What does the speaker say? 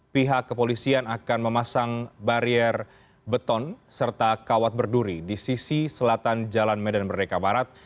pihak kepolisian akan memasang barier beton serta kawat berduri di sisi selatan jalan medan merdeka barat